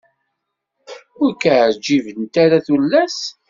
Ur k-ɛǧibent ara tullas?